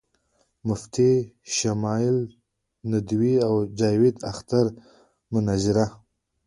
مفتی شمائل ندوي او جاوید اختر مناظره